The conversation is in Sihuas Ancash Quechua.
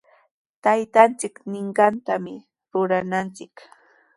Taytanchik ninqantami rurananchik.